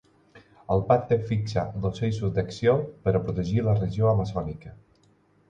El pacte fixa els eixos d’acció per a protegir la regió amazònica.